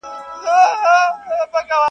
د بېلتون سندري وایم د جانان کیسه کومه -